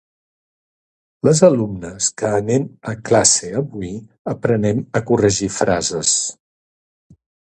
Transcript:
les alumnes que anem a classe avui, aprenem a corregir frases .